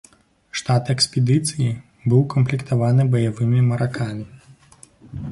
Штат экспедыцыі быў укамплектаваны баявымі маракамі.